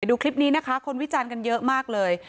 ดูคลิปนี้นะคะคนวิจารณ์กันเยอะมากเลย